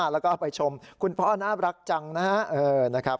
แล้วก็ไปชมคุณพ่อน่ารักจังนะครับ